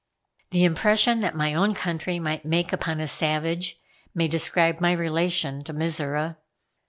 The impression that my own country might make upon a savage, may describe my relation to Mizora.